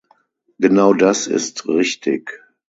Genau das ist richtig!